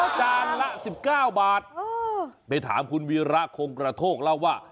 จานละ๑๙บาทไปถามคุณวีระคงกระโทกเล่าว่า